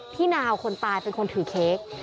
นาวคนตายเป็นคนถือเค้ก